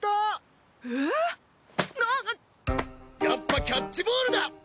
やっぱキャッチボールだ！